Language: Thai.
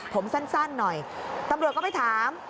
ผมสั้นหน่อยตำรวจก็ไปถาม